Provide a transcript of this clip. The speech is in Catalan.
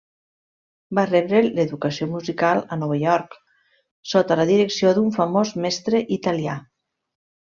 Va rebre l'educació musical a Nova York, sota la direcció d'un famós mestre italià.